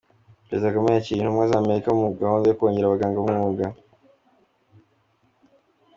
Perezida Kagame yakiriye intumwa z’Amerika muri gahunda yo kongera abaganga b’umwuga